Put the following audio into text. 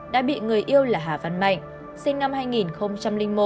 đã bị người yêu là hà văn mạnh sinh năm hai nghìn một